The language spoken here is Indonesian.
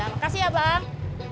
makasih ya bang